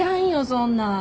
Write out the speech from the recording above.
そんなん。